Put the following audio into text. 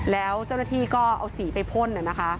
แล้วเจ้าหน้าที่ก็เอาสีไปพ่น